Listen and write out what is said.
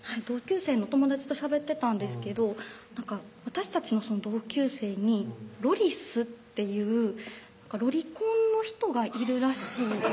同級生の友達としゃべってたんですけど私たちの同級生にロリスっていうロリコンの人がいるらしい